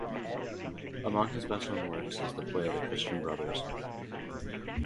Among his best known works is the play "The Christian Brothers".